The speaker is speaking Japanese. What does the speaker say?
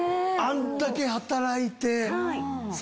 あんだけ働いて。